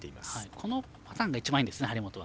このパターンが一番いいんです、張本は。